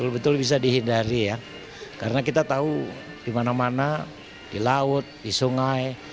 betul betul bisa dihindari ya karena kita tahu di mana mana di laut di sungai